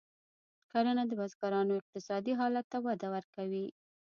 کرنه د بزګرانو اقتصادي حالت ته وده ورکوي.